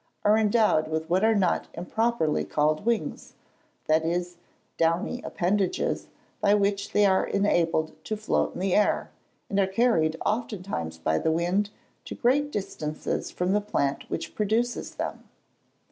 are endowed with what are not improperly called wings; that is, downy appendages, by which they are enabled to float in the air, and are carried oftentimes by the wind to great distances from the plant which produces them.